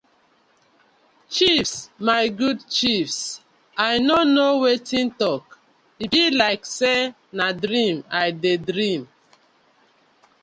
Chiefs my good chiefs I no kno wetin tok e bi like say na dream I dey dream.